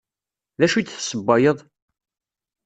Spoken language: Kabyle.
D acu i d-tessewwayeḍ?